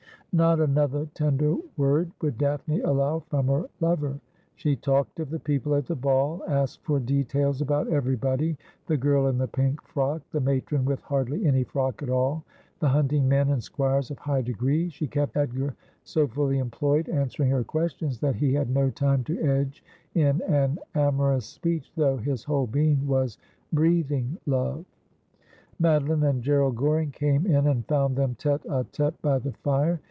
Not another tender word would Daphne allow from her lover. She talked of the people at the ball, asked for details about everybody — the girl in the pink frock ; the matron with hardly any frock at all ; the hunting men and squires of high degree. She kept Edgar so fully employed answering her ques tions that he had no time to edge in an amorous speech, though his whole being was breathing love. Madoline and G erald Goring came in and found them tete d tete by the fire.